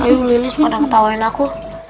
aduh lili sekarang ketawain aku